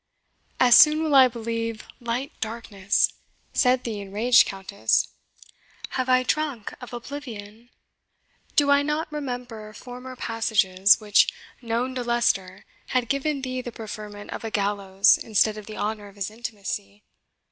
"As soon will I believe light darkness," said the enraged Countess. "Have I drunk of oblivion? Do I not remember former passages, which, known to Leicester, had given thee the preferment of a gallows, instead of the honour of his intimacy.